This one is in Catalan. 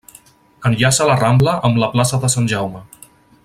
Enllaça la Rambla amb la plaça de Sant Jaume.